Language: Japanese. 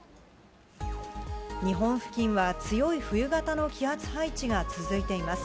日本付近は強い冬型の気圧配置が続いています。